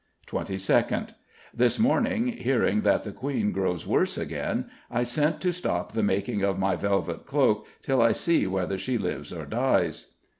22nd: This morning, hearing that the Queen grows worse again, I sent to stop the making of my velvet cloak till I see whether she lives or dies.